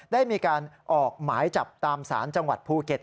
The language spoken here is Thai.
ได้มีการออกหมายจับตามศาลจังหวัดภูเก็ต